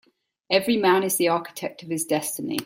Every man is the architect of his destiny.